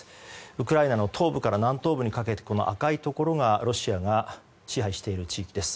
ウクライナの東部から南東部にかけて赤いところがロシアが支配している地域です。